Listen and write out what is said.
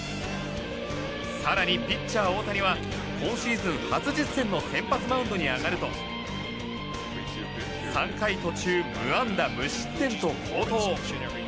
更にピッチャー大谷は今シーズン初実戦の先発マウンドに上がると３回途中無安打無失点と好投。